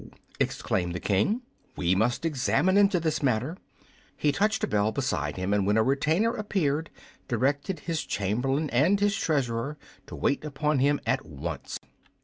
exclaimed the King. "We must examine into this matter." He touched a bell beside him, and when a retainer appeared directed his Chamberlain and his Treasurer to wait upon him at once.